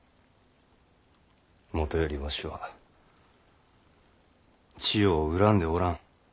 もとよりわしは千代を恨んでおらん。